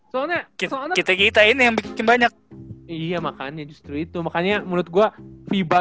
soalnya kita kita ini yang bikin banyak iya makannya justru itu makanya menurut gua fiba